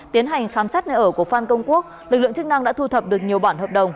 tiến hành khám xét nơi ở của phan công quốc lực lượng chức năng đã thu thập được nhiều bản hợp đồng